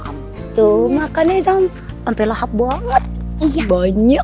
aku juga pembeli sipilnya